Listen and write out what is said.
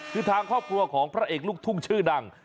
คือทางครอบครัวของพระเอกลูกทุ่งชื่อดัง